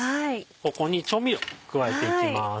ここに調味料加えていきます。